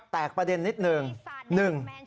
วางหน้า